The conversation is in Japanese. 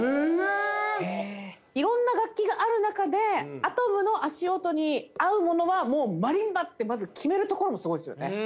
いろんな楽器がある中で、アトムの足音に合うものは、もうマリンバってまず決めるところもすごいですよね。